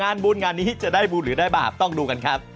งานบุญงานนี้จะได้บุญหรือได้บาปต้องดูกันครับ